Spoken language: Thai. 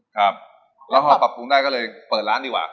ครับแล้วพอปรับปรุงได้ก็เลยเปิดร้านดีกว่า